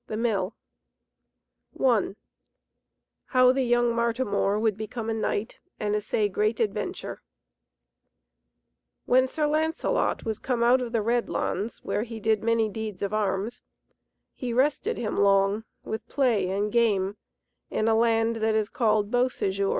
THE MILL I How the Young Martimor would Become a Knight and Assay Great Adventure When Sir Lancelot was come out of the Red Launds where he did many deeds of arms, he rested him long with play and game in a land that is, called Beausejour.